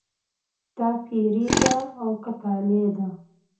دا پیري ده او که طالع ده.